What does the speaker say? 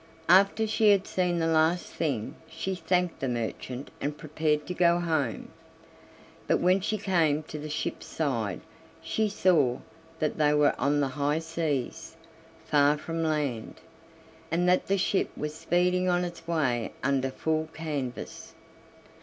After she had seen the last thing she thanked the merchant and prepared to go home; but when she came to the ship's side she saw that they were on the high seas, far from land, and that the ship was speeding on its way under full canvas.